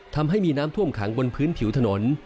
ทำให้มีน้ำท่วมขังบนพื้นผิวถนน